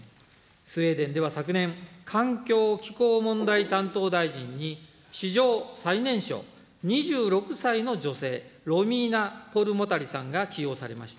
スウェーデンでは昨年、環境・気候問題担当大臣に史上最年少、２６歳の女性、ロミーナ・ポルモタリさんが起用されました。